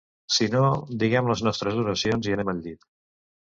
Si no, diguem les nostres oracions i anem al llit.